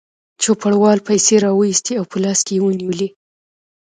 چوپړوال پیسې راوایستې او په لاس کې یې ونیولې.